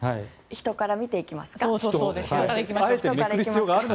人から見ていきましょう。